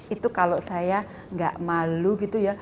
itu kalau saya nggak malu gitu ya